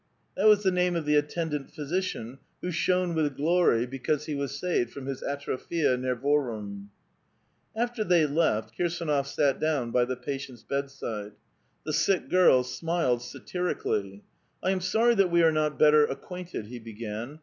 (That was the name of the attendant physician, who shone with glory because he was saved from his atrophia nervorum,) After they left, Kirsdnof sat down by the patient's bedside. The sick girl smiled satirically. " I am sorry that we are not better acquainted, "he began.